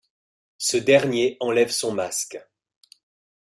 Ce dernier enlève son masque.